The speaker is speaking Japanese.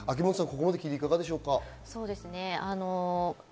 ここまで聞いていかがですか？